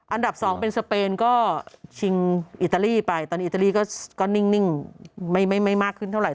อันดับ๒เป็นสเปนก็ชิงอิตาลีไปตอนนี้อิตาลีก็นิ่งไม่มากขึ้นเท่าไห